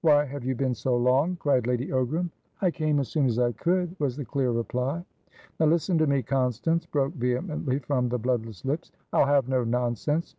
"Why have you been so long?" cried Lady Ogram. "I came as soon as I could," was the clear reply. "Now listen to me, Constance," broke vehemently from the bloodless lips. "I'll have no nonsense!